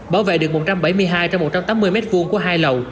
bảo vệ được một trăm bảy mươi hai trên một trăm tám mươi m hai của hai lầu